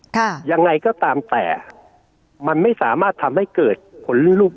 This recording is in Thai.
ค่ะยังไงก็ตามแต่มันไม่สามารถทำให้เกิดผลลื่นลูก